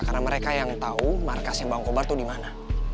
karena mereka yang tau markasnya bang cobra tuh dimana